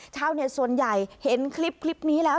ชาวเน็ตส่วนใหญ่เห็นคลิปนี้แล้ว